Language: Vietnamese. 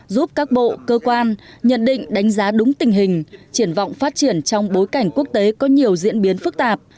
giúp các bộ cơ quan nhận định đánh giá đúng tình hình triển vọng phát triển trong bối cảnh quốc tế có nhiều diễn biến phức tạp